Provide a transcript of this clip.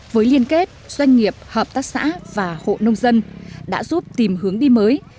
với liên kết doanh nghiệp hợp tác xã và hộ nông dân đã giúp tìm hướng đi mới